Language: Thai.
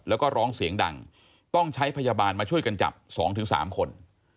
แล้วก็ร้องเสียงดังต้องใช้พยาบาลมาช่วยกันจับ๒๓คน